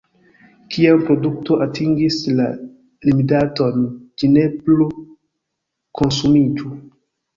Kiam produkto atingis la limdaton, ĝi ne plu konsumiĝu.